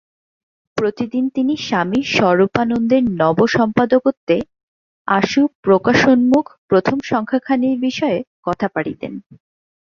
প্রতিদিন তিনি স্বামী স্বরূপানন্দের নব সম্পাদকত্বে আশু-প্রকাশোন্মুখ প্রথম সংখ্যাখানির বিষয়ে কথা পাড়িতেন।